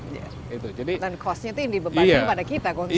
dan costnya itu yang dibebaskan pada kita konsumen